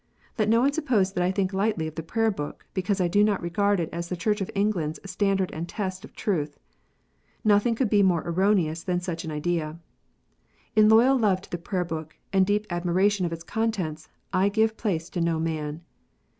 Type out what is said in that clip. Let no one suppose that I think lightly of the Prayer book, because I do not regard it as the Church of England s standard and test of truth. Nothing could be more erroneous than such an idea. In loyal love to the Prayer book, and deep admiration of its contents, I give place to no man.